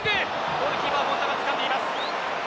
ゴールキーパー権田がつかんでいます。